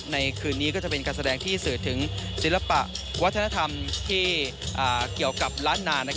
คืนนี้ก็จะเป็นการแสดงที่สื่อถึงศิลปะวัฒนธรรมที่เกี่ยวกับล้านนา